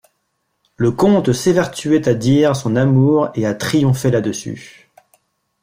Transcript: Le comte s'évertuait à dire son amour, et à triompher là-dessus.